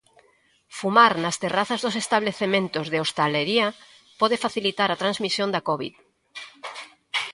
Fumar nas terrazas dos establecementos de hostalería pode facilitar a transmisión da covid.